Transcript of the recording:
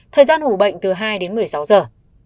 thời gian ủ bệnh từ hai đến một mươi sáu giờ